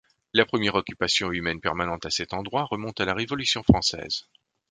La première occupation humaine permanente à cet endroit remonte à la Révolution française.